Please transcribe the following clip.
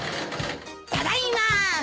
ただいま。